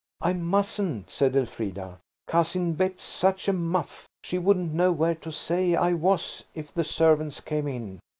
"I mustn't," said Elfrida. "Cousin Bet's such a muff; she wouldn't know where to say I was if the servants came in.